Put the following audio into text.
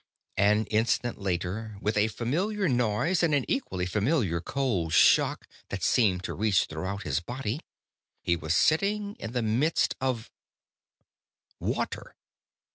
An instant later, with a familiar noise and an equally familiar cold shock that seemed to reach throughout his body, he was sitting in the midst of Water.